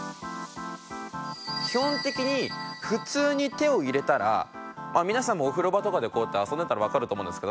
基本的に普通に手を入れたら皆さんもお風呂場とかでこうやって遊んでたらわかると思うんですけど。